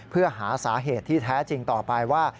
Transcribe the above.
เพื่อหาสาเหตุที่แท้จริงต่อไปว่า